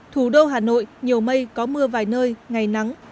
thủ đô hà nội nhiều mây có mưa vài nơi ngày nắng